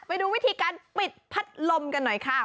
ไปดูวิธีการปิดพัดลมกันหน่อยค่ะ